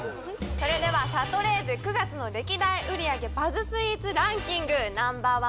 それではシャトレーゼ９月の歴代売り上げバズスイーツランキングＮｏ．１